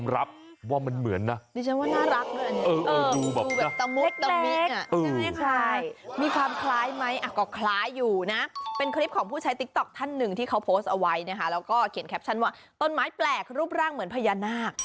แล้วก็เขียนแคปชั่นว่าต้นไม้แปลกรูปร่างเหมือนพญานาค